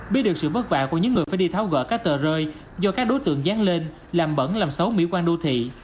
biết được sự vất vả của những người phải đi tháo gỡ các tờ rơi do các đối tượng dán lên làm bẩn làm xấu mỹ quan đô thị